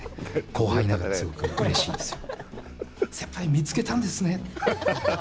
後輩ながらすごくうれしいですよ。